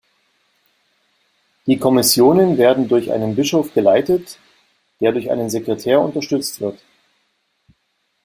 Die Kommissionen werden durch einen Bischof geleitet, der durch einen Sekretär unterstützt wird.